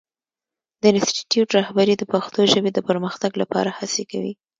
د انسټیټوت رهبري د پښتو ژبې د پرمختګ لپاره هڅې کوي.